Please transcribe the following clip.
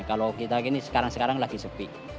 kalau kita gini sekarang sekarang lagi sepi